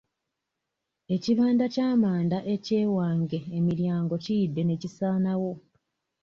Ekibanda ky'amanda eky'ewange emiryango kiyidde ne kisaanawo.